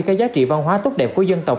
các giá trị văn hóa tốt đẹp của dân tộc